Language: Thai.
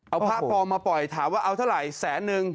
เอาพระปลอมมาปล่อยถามว่าเอาเท่าไหร่แสนนึง